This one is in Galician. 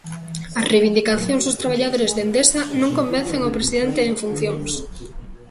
As reivindicacións dos traballadores de Endesa non convencen o presidente en funcións.